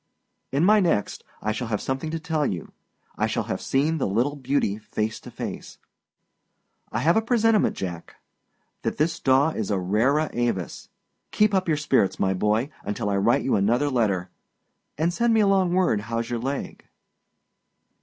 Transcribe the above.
In my next I shall have something to tell you. I shall have seen the little beauty face to face. I have a presentiment, Jack, that this Daw is a rara avis! Keep up your spirits, my boy, until I write you another letter and send me along word howâs your leg.